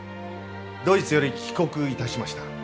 ドイツより帰国いたしました。